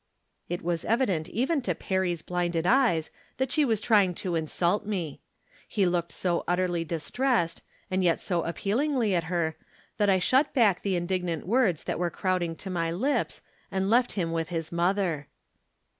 It was evident even to Perry's blinded eyes that she was trying to insult me. He looked so utterly distressed, and yet so appealingly at her, that I shut back the indignant words that were crowding to my lips, and left him with Ms mother.